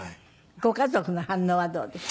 ご家族の反応はどうでした？